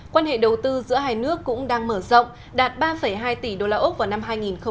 quan hệ đầu tư giữa hai nước cũng đang mở rộng đạt ba hai tỷ usd vào năm hai nghìn một mươi tám